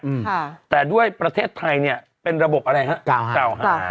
อืมค่ะแต่ด้วยประเทศไทยเนี้ยเป็นระบบอะไรฮะเก่าเก่าหา